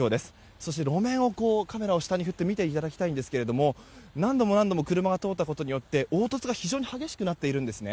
そして路面を見ていただきたいんですが何度も何度も車が通ったことによって凹凸が非常に激しくなっているんですね。